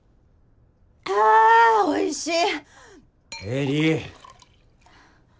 あおいしい！